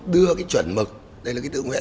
đưa cái chuẩn mực đây là cái tự nguyện